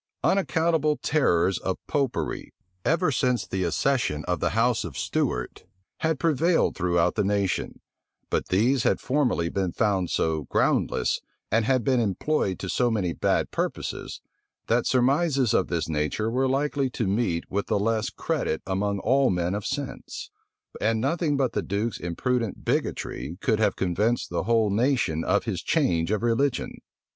Unaccountable terrors of Popery, ever since the accession of the house of Stuart, had prevailed throughout the nation; but these had formerly been found so groundless, and had been employed to so many bad purposes, that surmises of this nature were likely to meet with the less credit among all men of sense; and nothing but the duke's imprudent bigotry could have convinced the whole nation of his change of religion.